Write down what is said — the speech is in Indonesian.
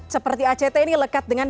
seperti act ini lekat dengan